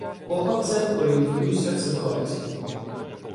Похапцем орієнтуюся в ситуації.